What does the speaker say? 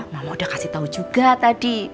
mama udah kasih tau juga tadi